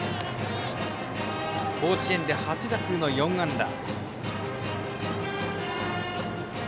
甲子園で８打数４安打。